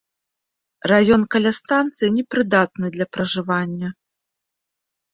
Раён каля станцыі непрыдатны для пражывання.